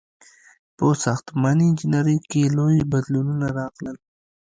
• په ساختماني انجینرۍ کې لوی بدلونونه راغلل.